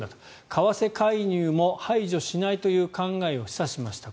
為替介入も排除しないという考えを示唆しました。